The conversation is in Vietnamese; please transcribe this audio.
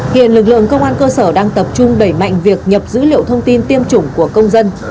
hiện lực lượng công an cơ sở đang tập trung đẩy mạnh việc nhập dữ liệu thông tin tiêm chủng của công dân